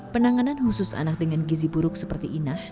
penanganan khusus anak dengan gizi buruk seperti inah